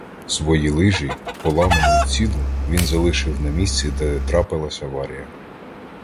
Свої лижі, поламану й цілу, він залишив на місці, де трапилась аварія.